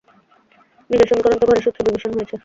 নিজের সমীকরণ তো ঘরের শত্রু বিভীষণ হয়েছে।